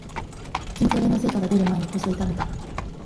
筋トレの成果がでる前に腰を痛めた